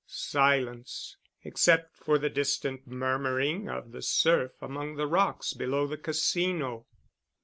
Silence, except for the distant murmuring of the surf among the rocks below the Casino.